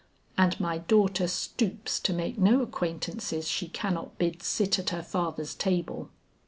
And my daughter stoops to make no acquaintances she cannot bid sit at her father's table."